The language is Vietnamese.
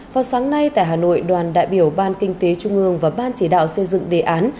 vào sáng nay tại hà nội đoàn đại biểu ban kinh tế trung ương và ban chỉ đạo xây dựng đề án